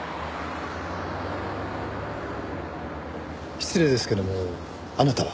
失礼ですけどもあなたは？